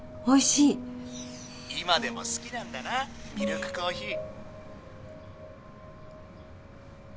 今でも好きなんだなミルクコーヒー。